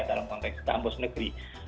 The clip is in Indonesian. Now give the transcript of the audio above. dalam konteks kampus negeri